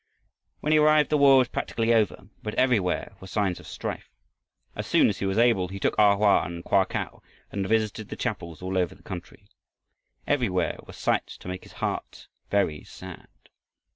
When he arrived the war was practically over, but everywhere were signs of strife. As soon as he was able, he took A Hoa and Koa Kau and visited the chapels all over the country. Everywhere were sights to make his heart very sad.